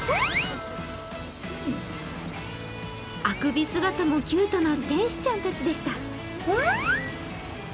あくび姿もキュートな天使ちゃんたちでした。